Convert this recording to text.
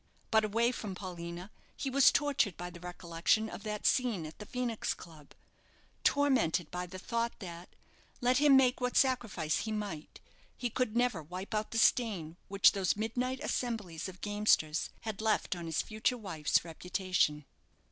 But away from Paulina he was tortured by the recollection of that scene at the Phoenix Club; tormented by the thought that, let him make what sacrifice he might, he could never wipe out the stain which those midnight assemblies of gamesters had left on his future wife's reputation.